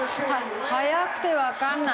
速くてわかんない！